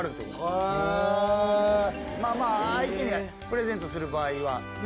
・へぇ・まぁ相手にプレゼントする場合はねぇ